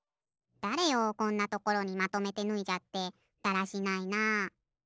だれよこんなところにまとめてぬいじゃってだらしないな。